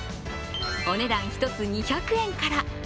お値段１つ２００円から。